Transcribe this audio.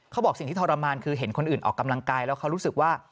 เขาบอกสิ่งที่ทรมานคือเห็นคนอื่นออกกำลังกายแล้วเขารู้สึกว่า